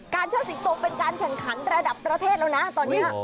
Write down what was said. เชิดสิงโตเป็นการแข่งขันระดับประเทศแล้วนะตอนนี้